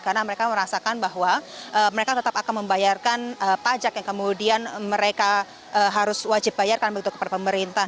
karena mereka merasakan bahwa mereka tetap akan membayarkan pajak yang kemudian mereka harus wajib bayarkan kepada pemerintah